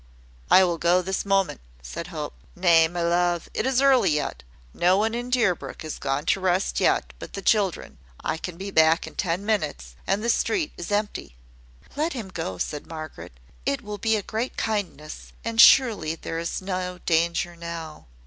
"I will go this moment," said Hope. "Nay, my love, it is early yet; no one in Deerbrook is gone to rest yet, but the children. I can be back in ten minutes, and the street is empty." "Let him go," said Margaret. "It will be a great kindness; and surely there is no danger now."